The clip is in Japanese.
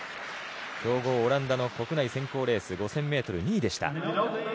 強豪オランダの国内選考レース、国内２位でした。